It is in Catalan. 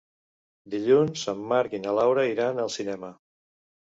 Dilluns en Marc i na Laura iran al cinema.